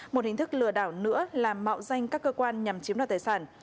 một hình thức lừa đảo nữa là mạo danh các cơ quan nhằm chiếm đoạt tài sản